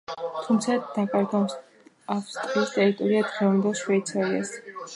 თუმცა დაკარგა ავსტრიის ტერიტორია დღევანდელ შვეიცარიასთან.